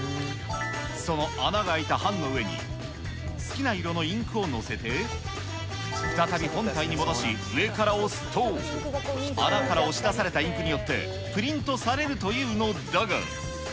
その穴が開いた版の上に、好きな色のインクを載せて、再び本体に戻し、上から押すと、穴から押し出されたインクによって、プリントされるというのだが。